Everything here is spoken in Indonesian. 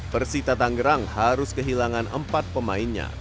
persita tanggerang harus kehilangan empat pemainnya